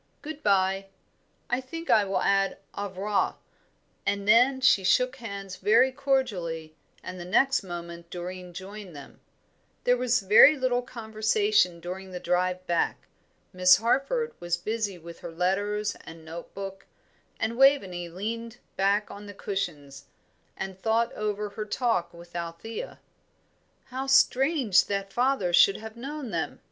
Good bye. I think I will add au revoir;" and then she shook hands very cordially, and the next moment Doreen joined them. There was very little conversation during the drive back. Miss Harford was busy with her letters and note book, and Waveney leaned back on the cushions, and thought over her talk with Althea. "How strange that father should have known them!"